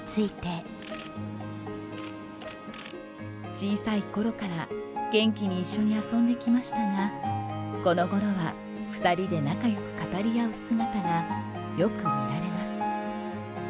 小さいころから、元気に一緒に遊んできましたが、このごろは２人で仲よく語り合う姿がよく見られます。